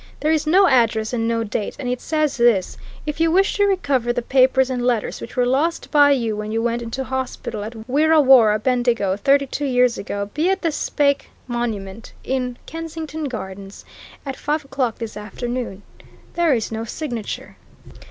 There is no address and no date, and it says this: 'If you wish to recover the papers and letters which were lost by you when you went into hospital at Wirra Worra, Bendigo, thirty two years ago, be at the Speke Monument in Kensington Gardens at five o'clock this afternoon.' There was no signature."